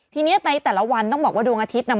ทีนี้ในแต่ละวันต้องบอกว่าดวงอาทิตย์น่ะ